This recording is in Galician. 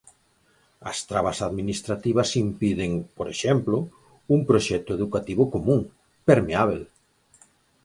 As trabas administrativas impiden, por exemplo, un proxecto educativo común, permeábel.